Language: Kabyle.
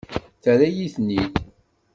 Terra-yi-ten-id.